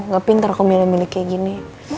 gak pintar aku milih milih kayak gini